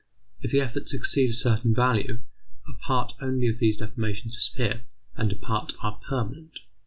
If the efforts exceed a certain value, a part only of these deformations disappear, and a part are permanent.